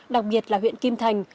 đặc biệt là huyện kim thành